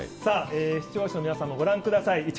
視聴者の皆さんもご覧ください。